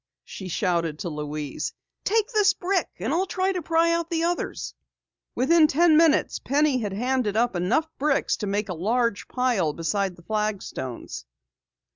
she shouted to Louise. "Take this brick, and I'll try to pry out others!" Within ten minutes Penny had handed up enough of them to make a large pile beside the flagstones.